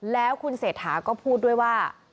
แล้วคุณเศรษฐาก็พูดด้วยว่า